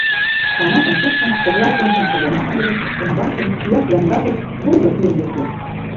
Тамакым шупшын, тыглай ончен шогена ыле — умбачын, кияк лоҥга гыч, лудо ийын лектеш...